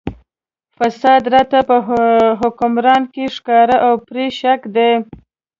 فساد راته په حکمران کې ښکاري او پرې شک دی.